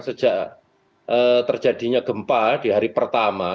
sejak terjadinya gempa di hari pertama